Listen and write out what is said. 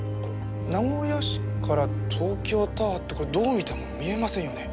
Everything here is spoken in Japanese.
名古屋市から東京タワーってこれどう見ても見えませんよね？